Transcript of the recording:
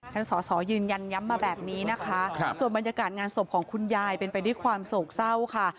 ท่านสอสอยืนยันย้ำมาแบบนี้นะคะส่วนบรรยากาศงานศพของคุณยายเป็นไปด้วยความโศกเศร้าค่ะ